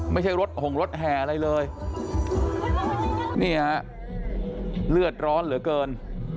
ไม่ใช่รถหงรถแห่อะไรเลยนี่ฮะเลือดร้อนเหลือเกิน